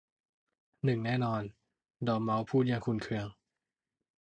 หนึ่งแน่นอน !'ดอร์เม้าส์พูดอย่างขุ่นเคือง